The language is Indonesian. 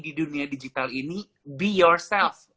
di dunia digital ini be yourself